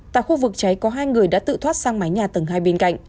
tại khu vực cháy có hai người đã tự thoát sang mái nhà tầng hai bên cạnh